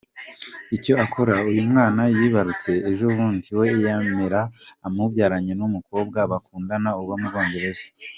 Icyakora uyu mwana yibarutse ejobundi, we yemera amubyaranye n’umukobwa bakundana uba mu Bwongereza.